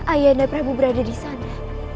ayah anda prabu berada disana